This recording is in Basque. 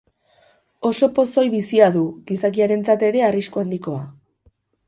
Oso pozoi bizia du, gizakiarentzat ere arrisku handikoa.